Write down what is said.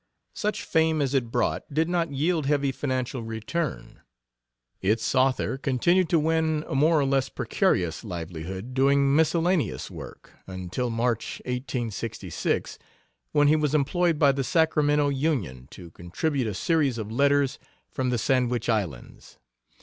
Such fame as it brought did not yield heavy financial return. Its author continued to win a more or less precarious livelihood doing miscellaneous work, until March, 1866, when he was employed by the Sacramento Union to contribute a series of letters from the Sandwich Islands.